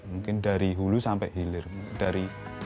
mungkin dari hulu sampai hilir dari